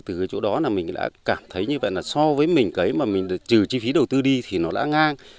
từ cái chỗ đó là mình đã cảm thấy như vậy là so với mình cấy mà mình trừ chi phí đầu tư đi thì nó đã ngang